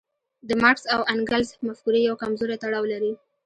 د مارکس او انګلز مفکورې یو کمزوری تړاو لري.